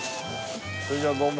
それじゃあどうも。